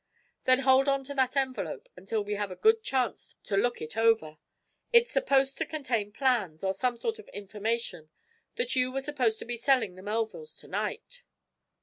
"Then hold on to that envelope until we have a good chance to look it over. It's supposed to contain plans, or some sort of information, that you were supposed to be selling the Melvilles to night."